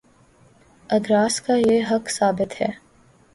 اگراس کا یہ حق ثابت ہے۔